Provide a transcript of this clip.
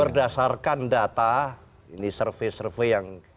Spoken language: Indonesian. berdasarkan data ini survei survei yang